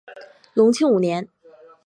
隆庆五年。